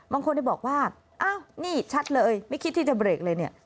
บางคนบอกว่าอ้าวนี่ชัดเลยไม่คิดที่จะเบรกเลยเนี่ย